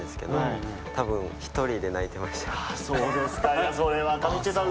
そうですかそれはかみちぃさん